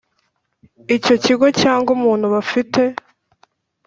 Icyo kigo cyangwa umuntu bafite